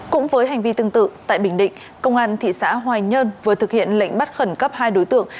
cũng với hành vi tương tự tại bình định công an thị xã hoài nhơn vừa thực hiện lệnh bắt khẩn cấp hai đối tượng